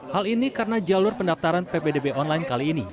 hal ini karena jalur pendaftaran ppdb online kali ini